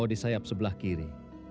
di sayap sebelah kiri